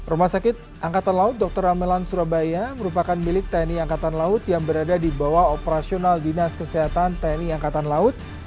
rumah sakit angkatan laut dr amelan surabaya merupakan milik tni angkatan laut yang berada di bawah operasional dinas kesehatan tni angkatan laut